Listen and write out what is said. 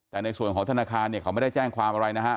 แต่ในส่วนของธนาคารเนี่ยเขาไม่ได้แจ้งความอะไรนะครับ